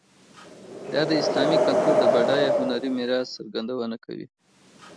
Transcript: دا د اسلامي کلتور د بډایه هنري میراث څرګندونه کوي.